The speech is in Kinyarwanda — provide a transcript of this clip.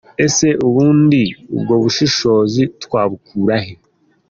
Ese ubundi ubwo bushobozi twabukura he?”.